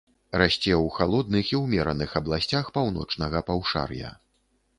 Расце ў халодных і ўмераных абласцях паўночнага паўшар'я.